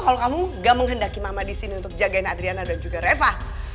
kalau kamu gak menghendaki mama di sini untuk jagain adriana dan juga reva